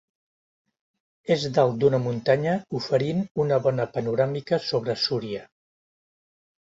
És dalt d'una muntanya oferint una bona panoràmica sobre Súria.